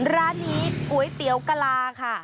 ร้านนี้ก๋วยเตี๋ยวกะลาค่ะ